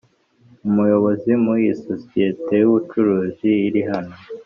umuyobozi mu isosiyete y ubucuruzi iri hano